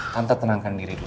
tante tenangkan diri dulu ya